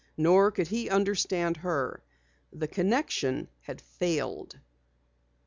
Nor could he understand her. The connection had failed.